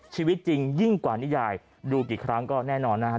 ชีวิตจริงยิ่งกว่านิยายดูกี่ครั้งก็แน่นอนนะครับ